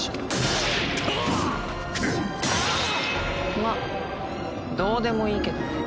まあどうでもいいけどね。